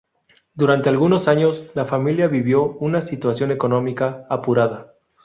Durante algunos años, la familia vivió una situación económica apurada.